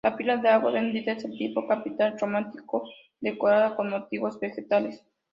La pila de agua bendita es del tipo capitel románico, decorada con motivos vegetales.